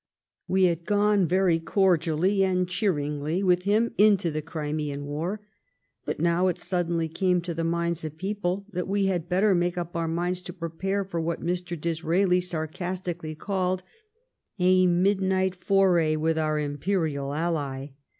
We had gone very cordially and cheeringly with him into the Crimean War, but now it sud denly came to the minds of people that we had better make up our minds to prepare for what Mr. Disraeli sarcastically called "a midnight foray from our imperial ally."